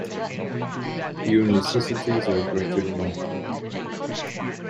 Your necessities are greater than mine.